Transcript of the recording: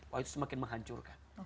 wah itu semakin menghancurkan